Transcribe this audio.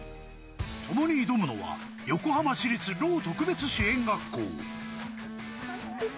共に挑むのは横浜市立ろう特別支援学校。